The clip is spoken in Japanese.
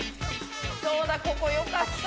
そうだここよかった。